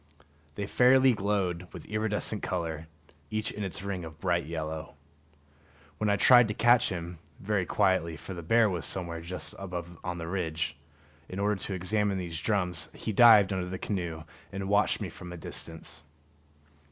They fairly glowed with iridescent color, each in its ring of bright yellow. When I tried to catch him (very quietly, for the bear was somewhere just above on the ridge) in order to examine these drums, he dived under the canoe and watched me from a distance.